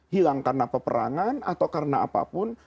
hilang karena peperangan atau karena apapun